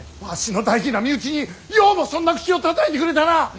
わしの大事な身内にようもそんな口をたたいてくれたな！